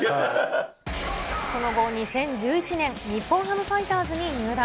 その後、２０１１年、日本ハムファイターズに入団。